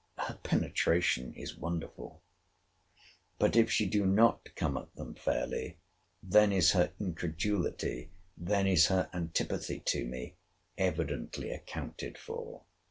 her penetration is wonderful. But if she do not come at them fairly, then is her incredulity, then is her antipathy to me evidently accounted for.